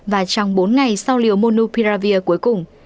và trong bốn ngày sau liều modulavir cuối cùng